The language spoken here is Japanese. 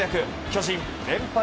巨人連敗